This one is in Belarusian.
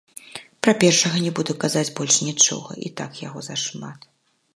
Пра першага не буду казаць больш нічога, і так яго зашмат.